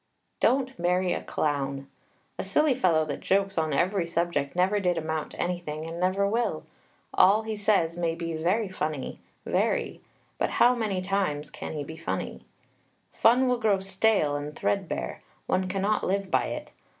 Don't marry a clown. A silly fellow that jokes on every subject never did amount to anything, and never will. All he says may be very funny, very; but how many times can he be funny? Fun will grow stale and threadbare; one cannot live by it.